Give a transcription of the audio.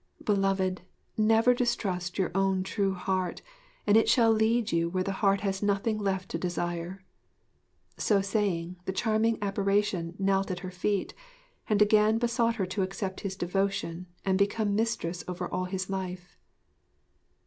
Beloved, never distrust your own true heart, and it shall lead you where the heart has nothing left to desire!' So saying, the charming apparition knelt at her feet, and again besought her to accept his devotion and become mistress over all his life.